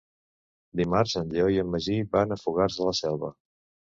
Dimarts en Lleó i en Magí van a Fogars de la Selva.